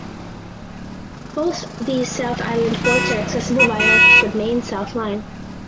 Both these South Island ports are accessible via the Main South Line.